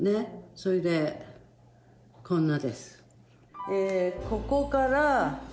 それでこんなです。